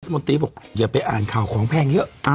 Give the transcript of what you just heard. มนตรีบอกอย่าไปอ่านข่าวของแพงเยอะ